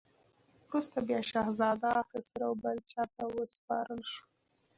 وروسته بیا شهزاده خسرو بل چا ته وسپارل شو.